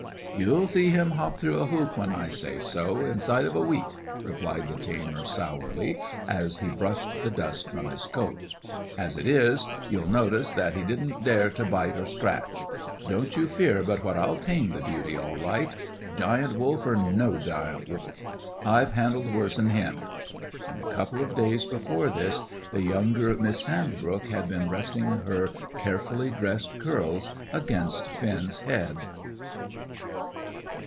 "You'll see him hop through a hoop when I say so, inside of a week," replied the tamer, sourly, as he brushed the dust from his coat. "As it is, you'll notice that he didn't dare to bite or scratch. Don't you fear but what I'll tame the beauty all right, Giant Wolf or no Giant Wolf. I've handled worse'n him." And a couple of days before this, the younger Miss Sandbrook had been resting her carefully dressed curls against Finn's head.